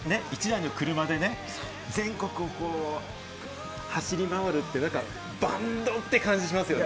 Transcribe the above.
１台の車でね、全国を走り回るってバンドって感じがしますね。